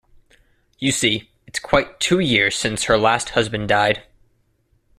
You see, it's quite two years since her last husband died.